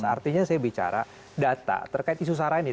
artinya saya bicara data terkait isu sara ini